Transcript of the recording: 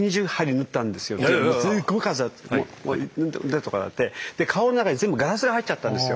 もうすごい数あって顔の中に全部ガラスが入っちゃったんですよ。